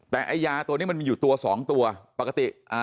แต่ไอ้ยาตัวนี้มันมีอยู่ตัวสองตัวปกติอ่า